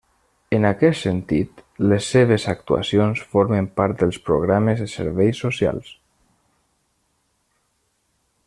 En aquest sentit, les seves actuacions formen part dels programes de serveis socials.